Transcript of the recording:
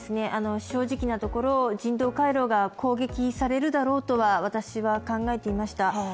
正直なところ、人道回廊が攻撃されるだろうとは私は考えていました。